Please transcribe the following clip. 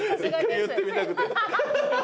一回言ってみたくて。